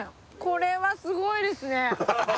これはすごいですね！